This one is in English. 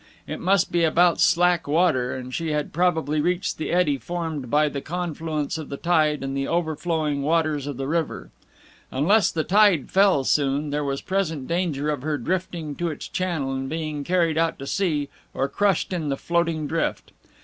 It must be about slack water, and she had probably reached the eddy formed by the confluence of the tide and the overflowing waters of the river. Unless the tide fell soon, there was present danger of her drifting to its channel, and being carried out to sea or crushed in the floating drift.